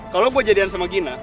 kalau gue jadian sama gina